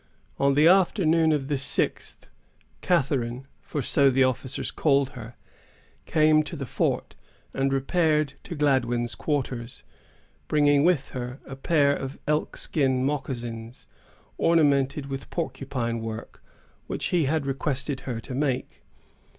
On the afternoon of the sixth, Catharine——for so the officers called her——came to the fort, and repaired to Gladwyn's quarters, bringing with her a pair of elk skin moccasons, ornamented with porcupine work, which he had requested her to make.